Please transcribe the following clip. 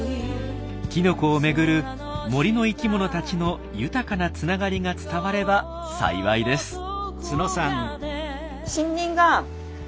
きのこを巡る森の生きものたちの豊かなつながりが伝われば幸いです。